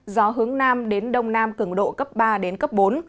gió hướng nam đến đông nam cường độ cấp ba bốn